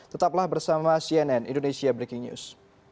tetaplah bersama cnn indonesia breaking news